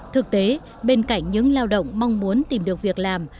thực tế bên cạnh những lao động mong muốn tìm được việc làm